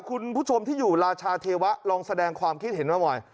คุณผู้ชมที่อยู่ราชาเทวะลองแสดงความคิดเห็นมาหน่อย